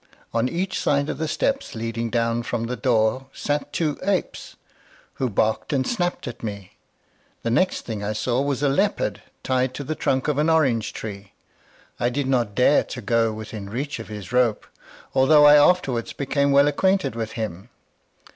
On each side of the steps leading down from the door sat two apes, who barked and snapped at me. The next thing I saw was a leopard tied to the trunk of an orange tree. I did not dare to go within reach of his rope, although I afterwards became well acquainted with him.